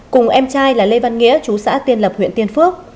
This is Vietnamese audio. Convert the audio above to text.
cùng em trai là lê văn nghĩa chú xã tiên lập huyện tiên phước